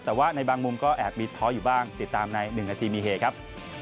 แต่ว่าในบางมุมก็แอบมีท้ออยู่บ้างติดตามใน๑นาทีมีเฮครับ